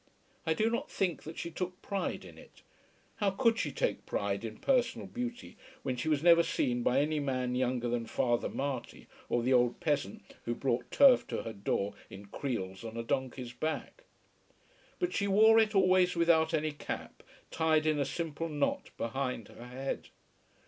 I do not think that she took pride in it. How could she take pride in personal beauty, when she was never seen by any man younger than Father Marty or the old peasant who brought turf to her door in creels on a donkey's back? But she wore it always without any cap, tied in a simple knot behind her head.